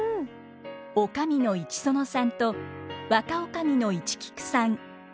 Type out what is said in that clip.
女将の市園さんと若女将の市菊さん。